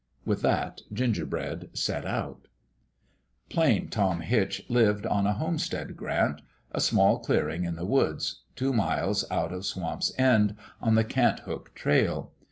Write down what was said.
With that Gingerbread set out Plain Tom Hitch lived on a homestead grant a small clearing in the woods two miles out of Swamp's End on the Cant hook trail.